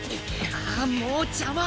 ああっもう邪魔！